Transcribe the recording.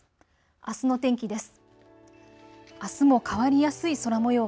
あすの天気です。